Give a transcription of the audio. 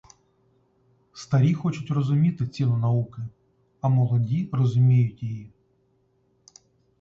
Старі хочуть розуміти ціну науки, а молоді розуміють її.